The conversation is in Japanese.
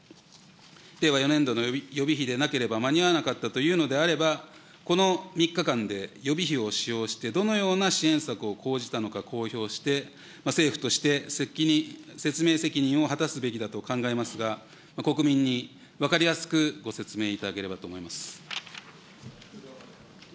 令和４年度の予備費でなければ間に合わなかったというのであれば、この３日間で予備費を使用してどのような支援策を講じたのか公表して、政府として説明責任を果たすべきだと考えますが、国民に分かりやすくご説明いただければと思います。